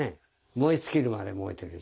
燃え尽きるまで燃えてるし。